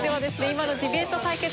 今のディベート対決